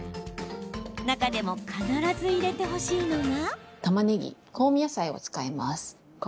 中でも必ず入れてほしいのが。